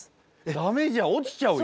ダメじゃん落ちちゃうよ。